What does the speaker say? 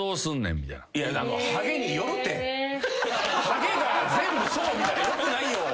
ハゲが全部そうみたいなのよくないよ。